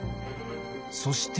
そして。